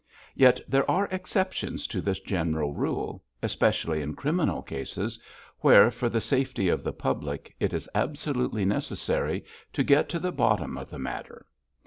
Yet there are exceptions to this general rule, especially in criminal cases, where, for the safety of the public, it is absolutely necessary to get to the bottom of the matter.